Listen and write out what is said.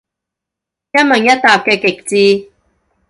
一問一答嘅極致